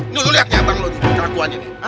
nih lu lihat ya